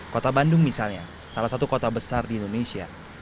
kota bandung misalnya salah satu kota besar di indonesia